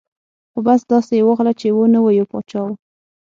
ـ خو بس داسې یې واخله چې و نه و ، یو باچا و.